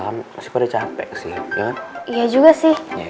pasti pada capek sih iya kan iya juga sih